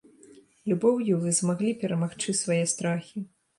Любоўю вы змаглі перамагчы свае страхі.